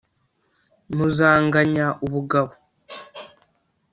muzanganya ubugabo.